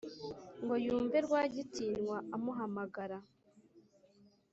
ngo yumve rwagitinywa amuhamagara